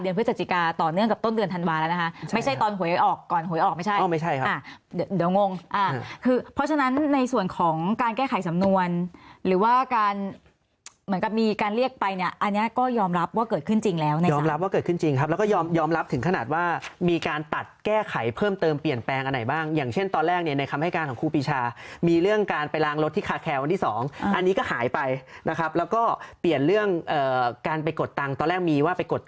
เดี๋ยวงงคือเพราะฉะนั้นในส่วนของการแก้ไขสำนวนหรือว่าการเหมือนกับมีการเรียกไปเนี่ยอันนี้ก็ยอมรับว่าเกิดขึ้นจริงแล้วยอมรับว่าเกิดขึ้นจริงครับแล้วก็ยอมรับถึงขนาดว่ามีการตัดแก้ไขเพิ่มเติมเปลี่ยนแปลงอันไหนบ้างอย่างเช่นตอนแรกในคำให้การของครูปีชามีเรื่องการไปล้างรถที่